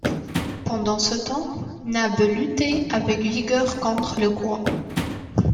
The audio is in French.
Pendant ce temps, Nab luttait avec vigueur contre le courant.